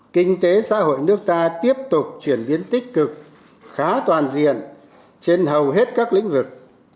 kinh tế xã hội nước ta tiếp tục chuyển biến tích cực khá toàn diện trên hầu hết các lĩnh vực